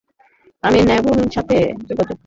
আমি ভানুর সাথে সবসময় যোগাযোগ রাখব।